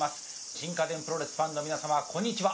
新家電プロレスファンの皆様こんにちは。